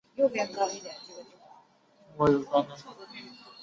英国红底则在右下角。